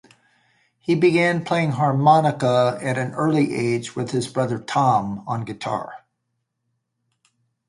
He began playing harmonica at an early age with his brother Tom on guitar.